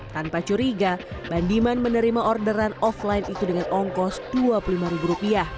tanpa curiga bandiman menerima orderan offline itu dengan ongkos rp dua puluh lima